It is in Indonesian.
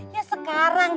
ya sekarang den